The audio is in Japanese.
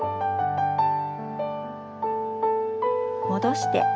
戻して。